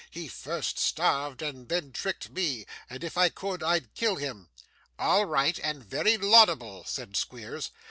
He first starved, and then tricked me; and if I could I'd kill him.' 'All right, and very laudable,' said Squeers.